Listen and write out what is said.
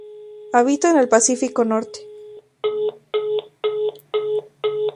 Habita en el Pacífico norte.